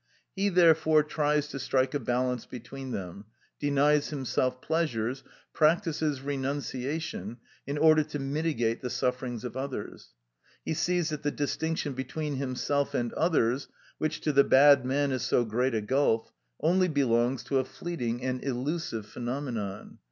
He therefore tries to strike a balance between them, denies himself pleasures, practises renunciation, in order to mitigate the sufferings of others. He sees that the distinction between himself and others, which to the bad man is so great a gulf, only belongs to a fleeting and illusive phenomenon.